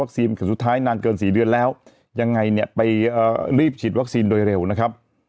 สุดท้ายนานเกิน๔เดือนแล้วยังไงเนี่ยไปรีบฉีดวัคซีนโดยเร็วนะครับ